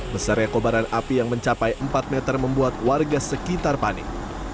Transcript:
besarnya kobaran api yang mencapai empat meter membuat warga sekitar panik